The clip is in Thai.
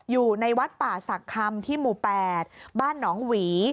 อยู่ในวัดป่าศักดิ์คำที่หมู่๘บ้านหนองหวี